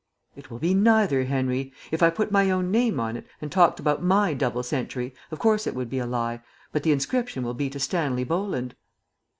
"It will be neither, Henry. If I put my own name on it, and talked about my double century, of course it would be a lie; but the inscription will be to Stanley Bolland."